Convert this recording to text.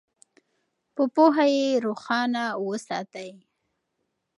په پوهه یې روښانه وساتئ.